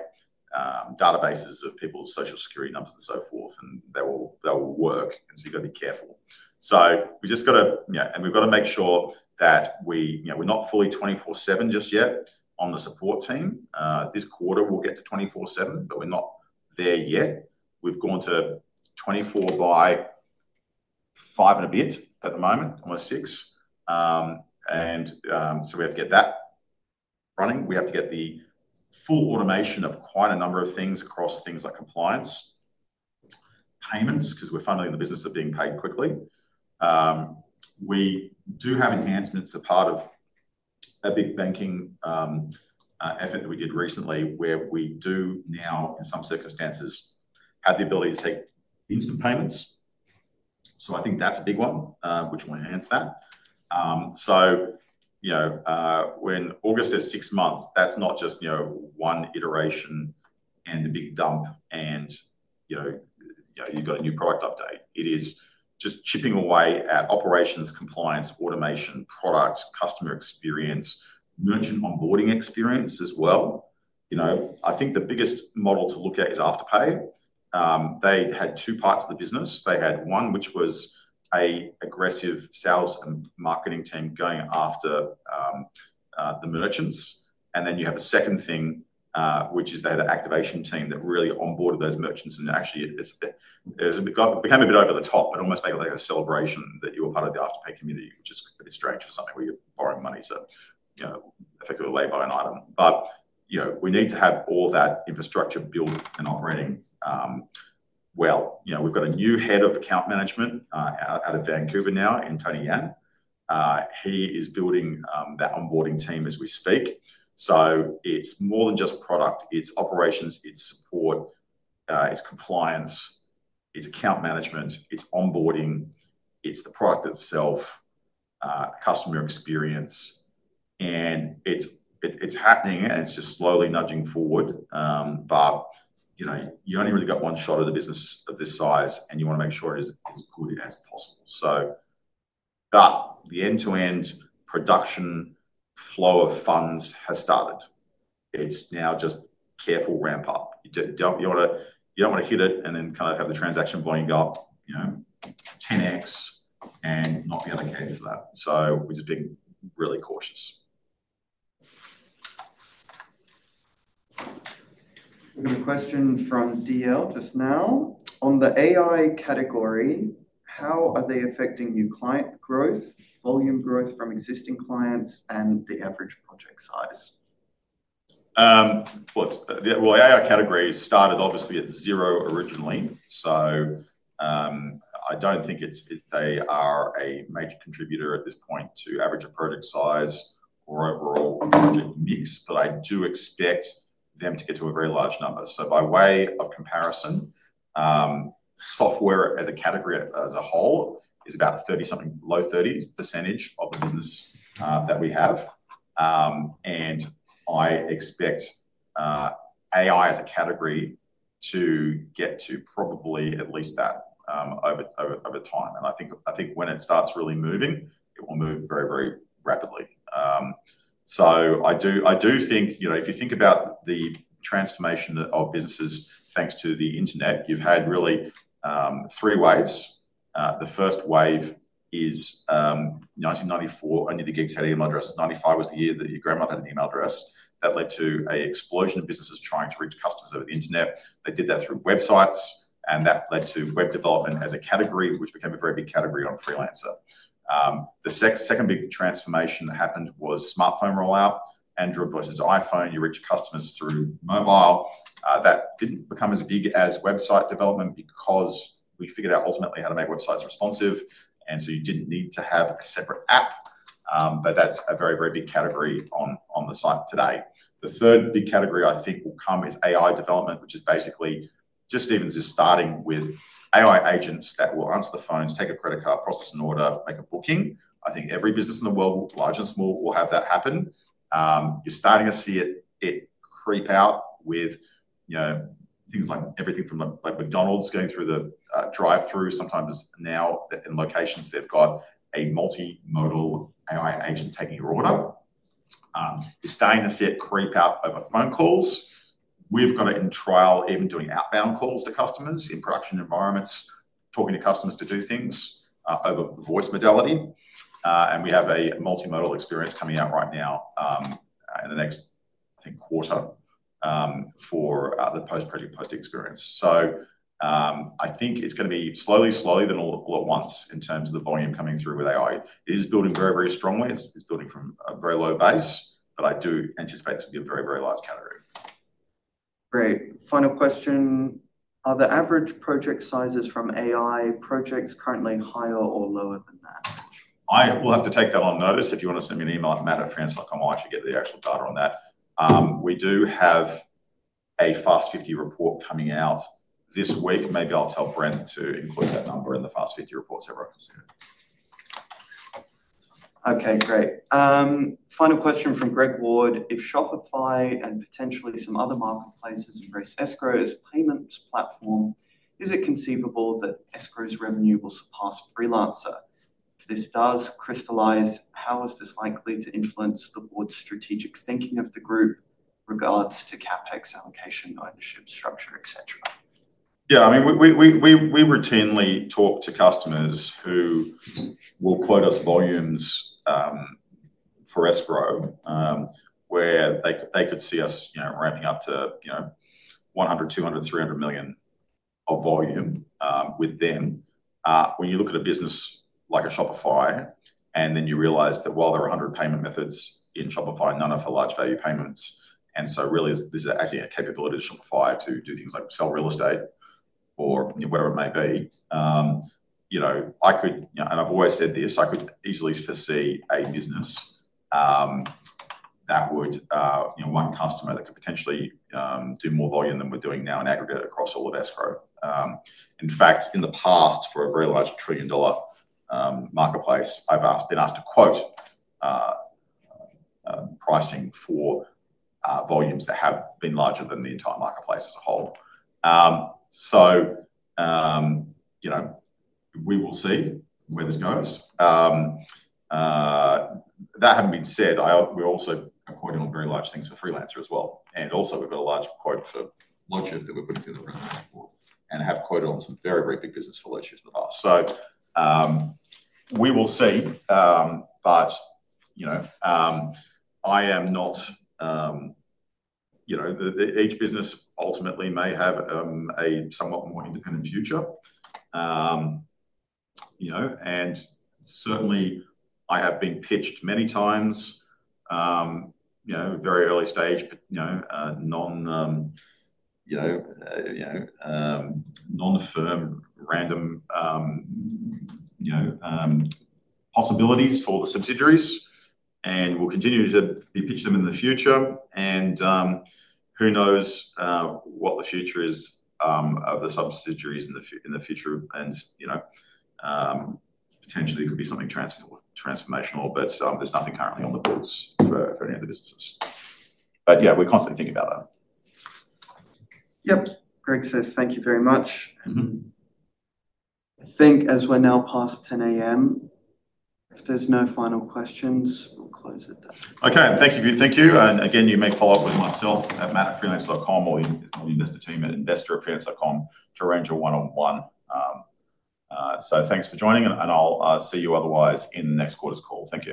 Speaker 1: databases of people's Social Security numbers and so forth and they will, they'll work. You've got to be careful. We've got to make sure that we're not fully 24/7 just yet on the support team. This quarter we'll get to 24/7, but we're not there yet. We've gone to 24 by 5 and a bit at the moment, almost 6. We have to get that running. We have to get the full automation of quite a number of things across things like compliance payments, because we're funding the business of being paid quickly. We do have enhancements, a part of a big banking effort that we did recently where we do now in some circumstances have the ability to take instant payments. I think that's a big one which will enhance that. When August is six months, that's not just one iteration and the big dump and you've got a new product update, it is just chipping away at operations, compliance, automation, products, customer experience, merchant onboarding experience as well. I think the biggest model to look at is Afterpay. They had two parts of the business. They had one which was an aggressive sales and marketing team going after the merchants, and then you have a second thing which is they had an activation team that really onboarded those merchants and actually it became a bit over the top but almost made it like a celebration that you were part of the Afterpay community, which is a bit strange for something where you're borrowing money, so you know, effectively lay-by an item. We need to have all that infrastructure built and operating well. We've got a new Head of Account Management out of Vancouver now, Antonio Yan. He is building that onboarding team as we speak. It is more than just product, it is operations, it is support, it is compliance, it is account management, it is onboarding, it is the product itself, customer experience, and it is happening and it is just slowly nudging forward. You only really got one shot at a business of this size and you want to make sure it is as good as possible. The end-to-end production, flow of funds has started. It is now just careful ramp up, you do not want to hit it and then kind of have the transaction volume go up, you know, 10x and not be unexpected for that. We are just being really cautious.
Speaker 3: Got a question from DL just now on the AI category. How are they affecting new client growth, volume growth from existing clients, and the average project size?
Speaker 1: AI categories started obviously at zero originally. I don't think they are a major contributor at this point to average project size or overall mix. I do expect them to get to a very large number. By way of comparison, software as a category as a whole is about 30-something, low 30s, percentage of the business that we have. I expect AI as a category to get to probably at least that over time. I think when it starts really moving, it will move very, very rapidly. I do think, if you think about the transformation of businesses thanks to the Internet, you've had really three waves. The first wave is 1994. Only the geeks had an email address. 1995 was the year that your grandmother had an email address. That led to an explosion of businesses trying to reach customers over the Internet. They did that through websites and that led to web development as a category which became a very big category on Freelancer. The second big transformation that happened was smartphone rollout, Android versus iPhone. You reach customers through mobile. That didn't become as big as website development because we figured out ultimately how to make websites responsive, and so you didn't need to have a separate app. That's a very, very big category on the site today. The third big category I think will come is AI development, which is basically just, even just starting with AI agents that will answer the phones, take a credit card, process an order, make a booking. I think every business in the world, large and small, will have that happen. You're starting to see it creep out with things like everything from, like McDonald's going through the drive-through sometimes now in locations they've got a multimodal AI agent taking your order. You're starting to see it creep out over phone calls. We've got it in trial, even doing outbound calls to customers in production environments, talking to customers to do things over voice modality. We have a multimodal experience coming out right now in the next quarter for the post project, post experience. I think it's going to be slowly, slowly then all at once in terms of the volume coming through with AI. It is building very, very strongly. It's building from a very low base. I do anticipate it to be a very, very large category. Great.
Speaker 3: Final question. Are the average project sizes from AI projects currently higher or lower than that?
Speaker 1: I will have to take that on notice. If you want to send me an email at matt@freelancer.com, I actually get the actual data on that. We do have a Fast 50 report coming out this week. Maybe I'll tell Brent to include that number in the Fast 50 report. Robert. Sam.
Speaker 3: Okay, great. Final question from Greg Ward. If Shopify and potentially some other marketplaces embrace Escrow as payments platform, is it conceivable that Escrow's revenue will surpass Freelancer? If this does crystallize, how is this likely to influence the board's strategic thinking of the group? Regards to CapEx allocation, ownership structure, etc.
Speaker 1: Yeah, yeah. I mean we routinely talk to customers who will quote us volumes for Escrow where they could see us ramping up to $100 million, $200 million, $300 million of volume with them. When you look at a business like Shopify and then you realize that while there are 100 payment methods in Shopify, none are for large value payments. This is actually a capability to Shopify to do things like sell real estate or whatever it may be. You know, I've always said this, I could easily foresee a business that would, you know, one customer that could potentially do more volume than we're doing now in aggregate across all of Escrow. In fact, in the past for a very large trillion dollar marketplace, I've been asked to quote pricing for volumes that have been larger than the entire marketplace as a whole. We will see where this goes. That having been said, we're also quoting on very large things for Freelancer as well and also we've got a large quote for Loadshift that we're putting to the right and have quoted on some very, very big business for Loadshift. We will see. Each business ultimately may have a somewhat more independent future, and certainly I have been pitched many times, very early stage, non-affirm random possibilities for the subsidiaries and we'll continue to be pitching them in the future. Who knows what the future is of the subsidiaries in the future and potentially it could be something transformational but there's nothing currently on the books for the end of this. We're constantly thinking about that.
Speaker 3: Yep, Greg says thank you very much. I think as we're now past 10:00 A.M., if there's no final questions, we'll close it.
Speaker 1: Thank you. Thank you. You may follow up with myself at matt@freelancer.com or the investor team at investor@freelancer.com to arrange one on one. Thanks for joining and I'll see you otherwise in next quarter's call. Thank you.